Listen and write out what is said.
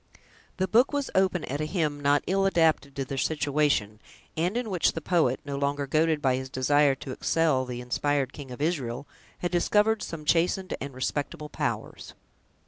The book was open at a hymn not ill adapted to their situation, and in which the poet, no longer goaded by his desire to excel the inspired King of Israel, had discovered some chastened and respectable powers.